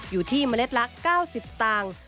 อยู่ที่เมล็ดละ๙๐สตางค์